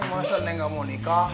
masa neng gak mau nikah